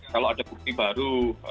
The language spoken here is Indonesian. kalau ada bukti baru